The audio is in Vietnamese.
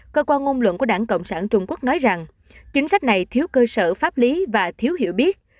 cơ quan ngôn luận của đảng cộng sản trung quốc nói rằng chính sách này thiếu cơ sở pháp lý và thiếu hiểu biết